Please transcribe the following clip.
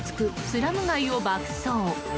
スラム街を爆走。